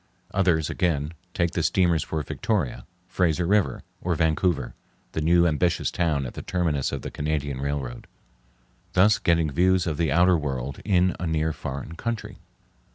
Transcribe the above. Others again take the steamers for Victoria, Fraser River, or Vancouver, the new ambitious town at the terminus of the Canadian Railroad, thus getting views of the outer world in a near foreign country.